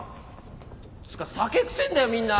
つーか酒臭えんだよみんな！